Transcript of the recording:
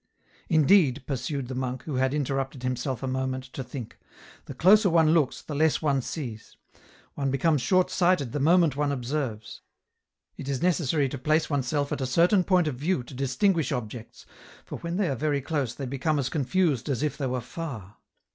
" Indeed," pursued the monk, who had interrupted him self a moment to think —" the closer one looks the less one sees ; one becomes short sighted the moment one observes ; it is necessary to place oneself at a certain point of view to distinguish objects, for when they are very close they become as confused as if they were far.